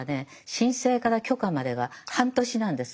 申請から許可までが半年なんです。